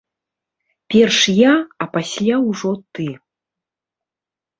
Перш я, а пасля ўжо ты.